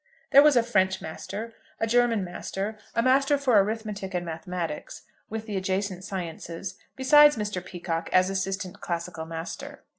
There was a French master, a German master, a master for arithmetic and mathematics with the adjacent sciences, besides Mr. Peacocke, as assistant classical master.